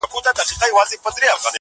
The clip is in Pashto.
چا چي کړی په چاپلوس باندي باور دی!!